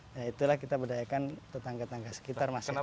ya itulah kita berdayakan tetangga tetangga sekitar mas